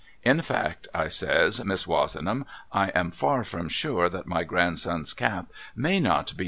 In fact ' I says ' Miss Wozenham I am far from sure that my grandson's cap may not be